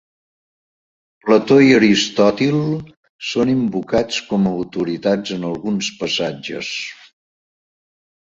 Plató i Aristòtil són invocats com a autoritats en alguns passatges.